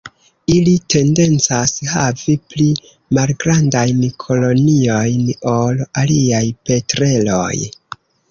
Ili tendencas havi pli malgrandajn koloniojn ol aliaj petreloj.